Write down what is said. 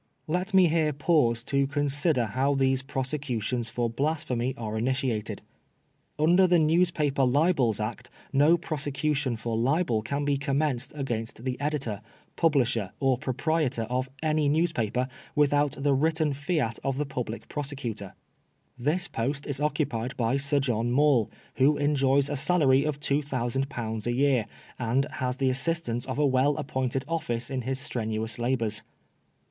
Let me here pause to consider how these prosecutions for blasphemy are initiated. Under the Newspaper Libels Act no prosecution for libel can be commenced against the editor, publisher or proprietor of any news paper, without the written fiat of the Public Prosecutor. 32 FBISONEB FOB BLASPHEMY. This post is occnpied by Sir John Maule, who enjoys a salary of £2,000 a year, and has the assistance of a well appointed office in his strenuons labors.